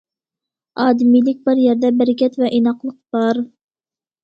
ئادىمىيلىك بار يەردە، بەرىكەت ۋە ئىناقلىق بار.